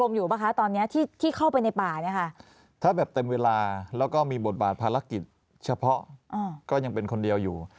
มีมีบทบาทภารกิจเฉพาะก็ยังเป็นคนเดียวอยู่